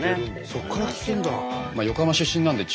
そこからきてるんだ。